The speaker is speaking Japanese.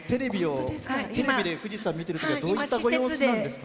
テレビで藤さんを見てるときはどういったご様子なんですか？